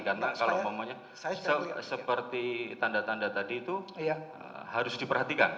karena kalau umpamanya seperti tanda tanda tadi itu harus diperhatikan